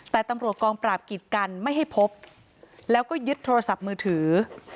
แต่ตำรวจกองปราบกิดกันไม่ให้พบแล้วก็ยึดโทรศัพท์มือถือ